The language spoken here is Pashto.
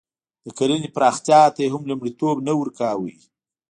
د کرنې پراختیا ته یې هم لومړیتوب نه ورکاوه.